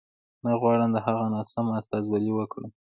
نه غواړم د هغه ناسمه استازولي وکړم.